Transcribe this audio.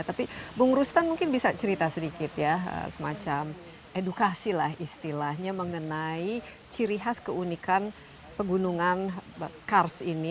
tapi bung rustan mungkin bisa cerita sedikit ya semacam edukasi lah istilahnya mengenai ciri khas keunikan pegunungan kars ini